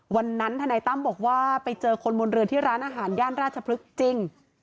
ทนายตั้มบอกว่าไปเจอคนบนเรือที่ร้านอาหารย่านราชพฤกษ์จริง